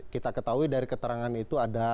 kita ketahui dari keterangan itu ada